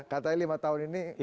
katanya lima tahun ini